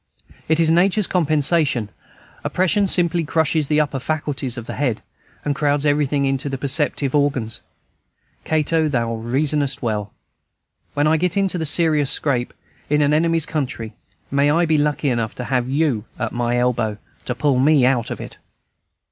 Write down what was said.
It is Nature's compensation; oppression simply crushes the upper faculties of the head, and crowds everything into the perceptive organs. Cato, thou reasonest well! When I get into any serious scrape, in an enemy's country, may I be lucky enough to have you at my elbow, to pull me out of it!